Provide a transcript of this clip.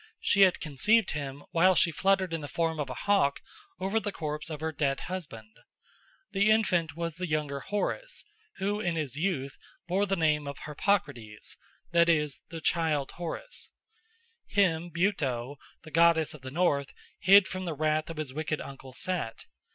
She had conceived him while she fluttered in the form of a hawk over the corpse of her dead husband. The infant was the younger Horus, who in his youth bore the name of Harpocrates, that is, the child Horus. Him Buto, the goddess of the north, hid from the wrath of his wicked uncle Set.